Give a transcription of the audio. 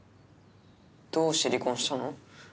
どうして離婚したの？